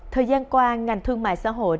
thời gian qua ngành thương mại xã hội